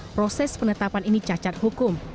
proses penetapan ini cacat hukum